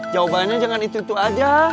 jawabannya jangan itu itu aja